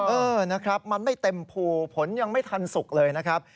เออนะครับมันไม่เต็มภูผลยังไม่ทันสุกเลยนะครับ